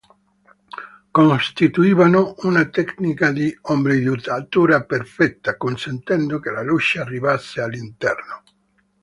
Costituivano una tecnica di ombreggiatura perfetta, consentendo che la luce arrivasse all'interno.